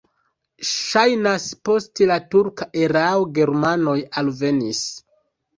Ŝajnas, post la turka erao germanoj alvenis.